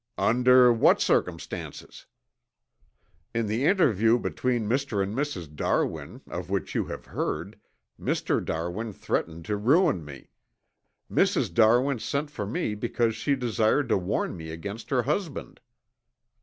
"Under what circumstances?" "In the interview between Mr. and Mrs. Darwin, of which you have heard, Mr. Darwin threatened to ruin me. Mrs. Darwin sent for me because she desired to warn me against her husband."